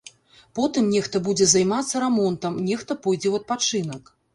Потым нехта будзе займацца рамонтам, нехта пойдзе ў адпачынак.